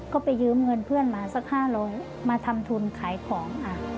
ก็ไปยืมเงินเพื่อนมาสัก๕๐๐มาทำทุนขายของค่ะ